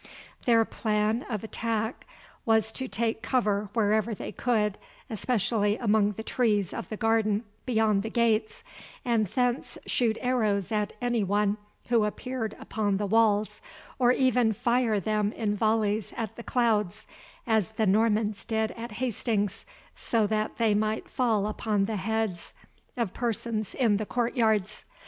Their plan of attack was to take cover wherever they could, especially among the trees of the garden beyond the gates, and thence shoot arrows at any one who appeared upon the walls, or even fire them in volleys at the clouds, as the Normans did at Hastings, so that they might fall upon the heads of persons in the courtyards.